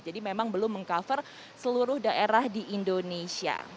jadi memang belum meng cover seluruh daerah di indonesia